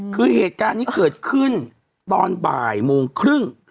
คือเหตุการณ์นี้เกิดขึ้นตอนบ่ายโมงครึ่ง